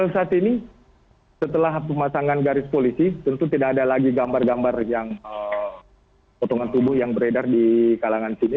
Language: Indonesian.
saat ini setelah pemasangan garis polisi tentu tidak ada lagi gambar gambar yang potongan tubuh yang beredar di kalangan sini